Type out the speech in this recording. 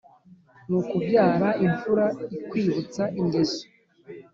n’ukubyara imfura ikwibutsa ingeso,